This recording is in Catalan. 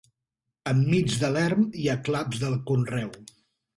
Enmig de l'erm hi ha claps de conreu.